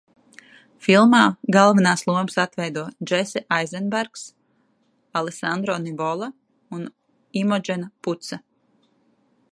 Filmā galvenās lomas atveido Džese Aizenbergs, Alesandro Nivola un Imodžena Putsa.